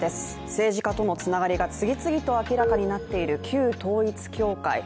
政治家とのつながりが次々と明らかになっている旧統一教会。